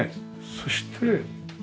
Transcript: そして。